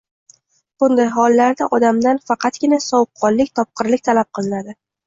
Bunday hollarda odamdan faqatgina sovuqqonlik, topqirlik talab qilinadi.